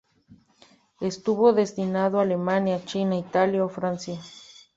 Estuvo destinado Alemania, China, Italia o Francia.